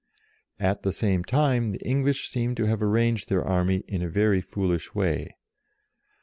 At the same time the English seem to have arranged their army in a very foolish way.